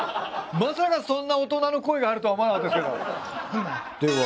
まさかそんな大人の声があるとは思わなかったですけど。